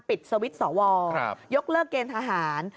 ปิดสวิตช์สวยกเลิกเกณฑ์ทหาร